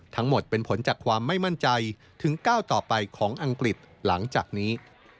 ทั้งหมดเป็นผลจากความไม่มั่นใจถึงก้าวต่อไปของอังกฤษหลังจากนี้